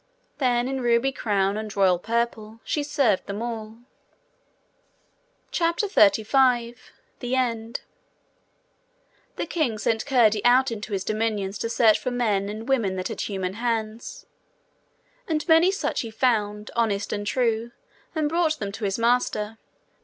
Then in ruby crown and royal purple she served them all. CHAPTER 35 The End The king sent Curdie out into his dominions to search for men and women that had human hands. And many such he found, honest and true, and brought them to his master.